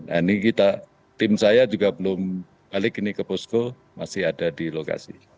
nah ini kita tim saya juga belum balik ini ke posko masih ada di lokasi